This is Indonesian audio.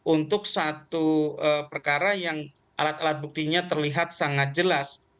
untuk satu perkara yang alat alat buktinya terlihat sangat jelas